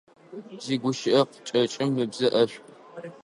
Зигущыӏэ кӏэкӏым ыбзэ ӏэшӏу.